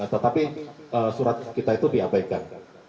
tetapi surat kita itu diabaikan